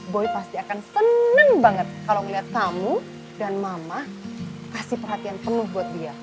boy pasti akan senang banget kalau ngeliat tamu dan mama kasih perhatian penuh buat dia